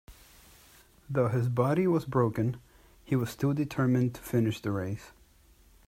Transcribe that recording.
Though his body was broken, he was still determined to finish the race.